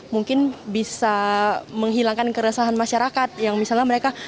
mungkin bisa menghilangkan keresahan masyarakat yang misalnya mereka